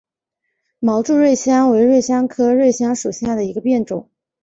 毛柱瑞香为瑞香科瑞香属下的一个变种。